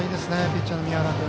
ピッチャーの宮原君。